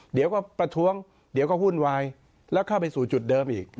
เดี๋ยวก็ประท้วงเดี๋ยวก็วุ่นวายแล้วเข้าไปสู่จุดเดิมอีก